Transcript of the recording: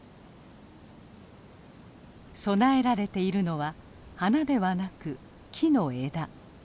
供えられているのは花ではなく木の枝。